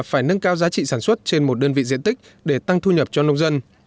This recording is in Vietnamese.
phải nâng cao giá trị sản xuất trên một đơn vị diện tích để tăng thu nhập cho nông dân